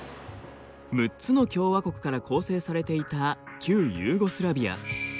６つの共和国から構成されていた旧ユーゴスラビア。